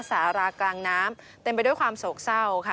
สารากลางน้ำเต็มไปด้วยความโศกเศร้าค่ะ